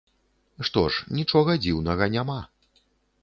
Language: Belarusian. Што ж, нічога дзіўнага няма.